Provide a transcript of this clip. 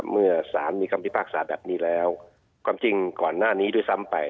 เมื่อสารมีคำพิพากษาแบบนี้แล้วความจริงก่อนหน้านี้ด้วยซ้ำไป